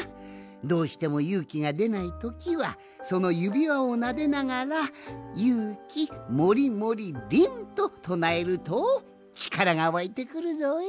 どうしてもゆうきがでないときはそのゆびわをなでながら「ゆうきもりもりりん」ととなえるとちからがわいてくるぞい。